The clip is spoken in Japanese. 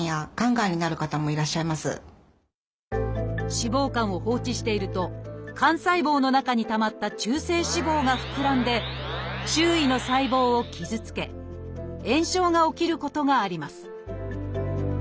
脂肪肝を放置していると肝細胞の中にたまった中性脂肪が膨らんで周囲の細胞を傷つけ炎症が起きることがあります。